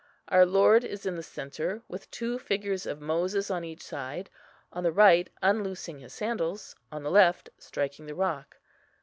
Our Lord is in the centre, with two figures of Moses on each side, on the right unloosing his sandals, on the left striking the rock.